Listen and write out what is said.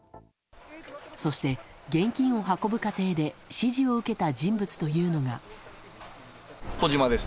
そして、現金を運ぶ過程で指示を受けた人物というのが。